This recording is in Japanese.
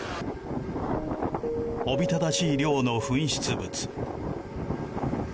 おびただしい量の噴出物。